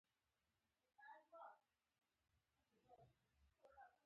راتلونکې روښانه نه ښکارېدله.